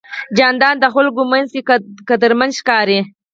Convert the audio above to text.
جانداد د خلکو منځ کې قدرمن ښکاري.